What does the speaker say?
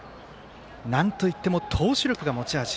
なんといっても、投手力が持ち味。